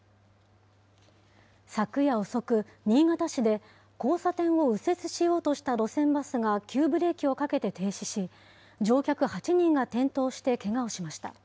昨夜遅く、新潟市で、交差点を右折しようとした路線バスが急ブレーキをかけて停止し、乗客８人が転倒してけがをしました。